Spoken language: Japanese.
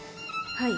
はい。